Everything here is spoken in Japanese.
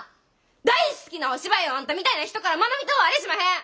大好きなお芝居をあんたみたいな人から学びとうあれしまへん！